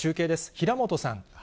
平本さん。